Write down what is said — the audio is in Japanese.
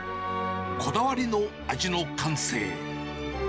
こだわりの味の完成。